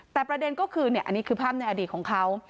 แต่ประเด็นก็คืออันนี้คือภาพในอดีตของเขา